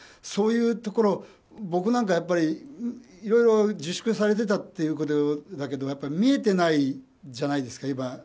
そういうところを僕なんかいろいろ自粛されてたということだけど見えてないじゃないですか